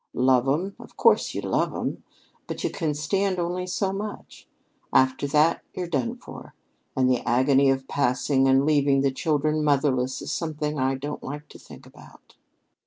Love 'em? Of course, you love 'em. But you can stand only so much. After that, you're done for. And the agony of passing and leaving the children motherless is something I don't like to think about."